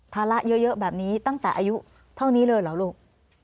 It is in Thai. ภาระเยอะแบบนี้ตั้งแต่อายุเท่านี้เลยเหรอลูก